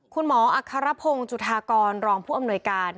อัครพงศ์จุธากรรองผู้อำนวยการ